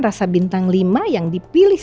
rasa bintang lima yang dipilih